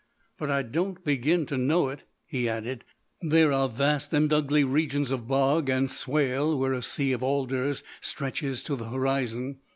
"But I don't begin to know it," he added. "There are vast and ugly regions of bog and swale where a sea of alders stretches to the horizon.